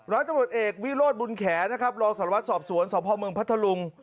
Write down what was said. ร้อยตำรวจเอกวิโรธบุญแขนะครับรองสารวัตรสอบสวนสพเมืองพัทธลุง